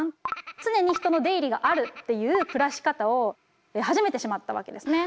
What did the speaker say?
常に人の出入りがあるっていう暮らし方を始めてしまったわけですね。